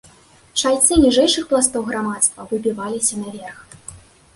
Чальцы ніжэйшых пластоў грамадства выбіваліся наверх.